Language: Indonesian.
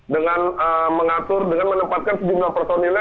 dengan mengatur dengan menempatkan sejumlah personilnya